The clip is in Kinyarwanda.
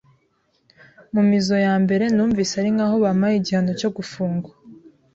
mu mizo ya mbere numvise ari nk’aho bampaye igihano cyo gufungwa.